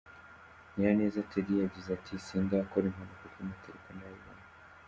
Nyiraneza Teddy yagize ati “sindakora impanuka kuri moto ariko narayibonye.